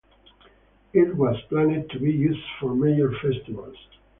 It was planned to be used for major festivals.